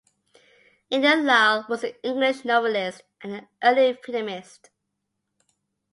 Edna Lyall, was an English novelist, and an early feminist.